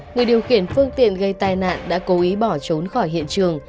người điều khiển phương tiện gây tai nạn đã cố ý bỏ trốn khỏi hiện trường